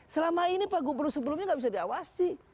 selama ini pak gubernur sebelumnya tidak bisa diawasi